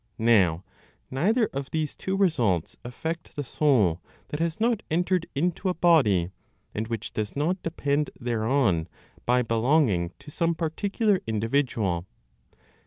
Now neither of these two results affect the soul that has not entered into a body, and which does not depend thereon by belonging to some particular individual.